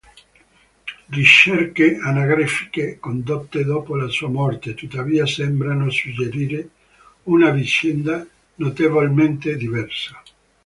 Ricerche anagrafiche condotte dopo la sua morte, tuttavia, sembrano suggerire una vicenda notevolmente diversa.